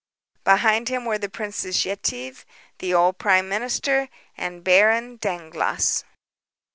Behind him were the Princess Yetive, the old prime minister, and Baron Dangloss.